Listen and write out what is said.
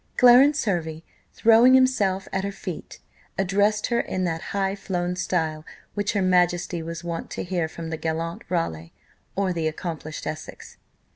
Clarence Hervey, throwing himself at her feet, addressed her in that high flown style which her majesty was wont to hear from the gallant Raleigh, or the accomplished Essex.